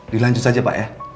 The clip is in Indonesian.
dilanjut saja pak ya